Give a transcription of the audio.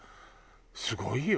すごいよ。